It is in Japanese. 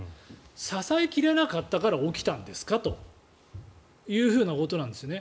支え切れなかったから起きたんですかということなんですね。